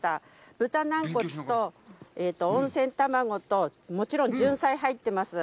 豚軟骨と温泉卵と、もちろん、ジュンサイも入ってます。